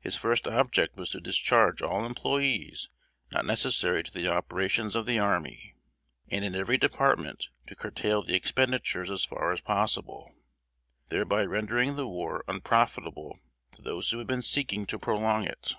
His first object was to discharge all employees not necessary to the operations of the army, and in every department to curtail the expenditures as far as possible; thereby rendering the war unprofitable to those who had been seeking to prolong it.